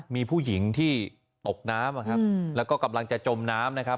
มีผู้หญิงที่ตกน้ำและกำลังจะจมน้ำ